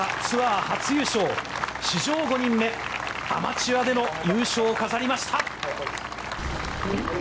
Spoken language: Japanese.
ツアー初優勝史上５人目アマチュアでの優勝を飾りました！